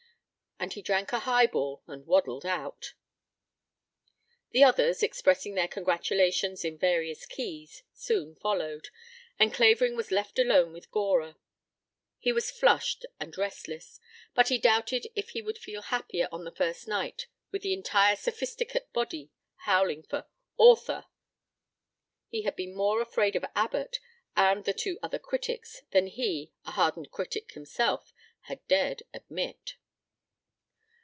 And he drank a highball and waddled out. The others, expressing their congratulations in various keys, soon followed, and Clavering was left alone with Gora. He was flushed and restless, but he doubted if he would feel happier on the first night with the entire Sophisticate body howling for "author." He had been more afraid of Abbott and the two other critics than he, a hardened critic himself, had dared admit.